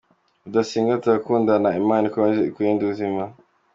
rudasingwa turagukunda immana ikomeze ikurindire ubuzima